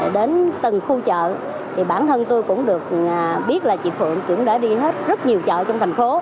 đến từng khu chợ thì bản thân tôi cũng được biết là chị phượng cũng đã đi hết rất nhiều chợ trong thành phố